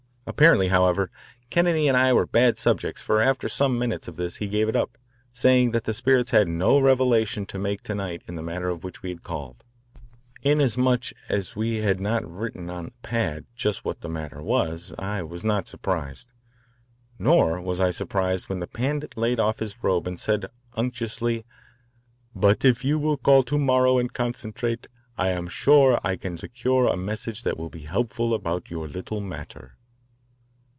Apparently, however, Kennedy and I were bad subjects, for after some minutes of this he gave it up, saying that the spirits had no revelation to make to night in the matter in which we had called. Inasmuch as we had not written on the pad just what that matter was, I was not surprised. Nor was I surprised when the Pandit laid off his robe and said unctuously, "But if you will call to morrow and concentrate, I am sure that I can secure a message that will be helpful about your little matter."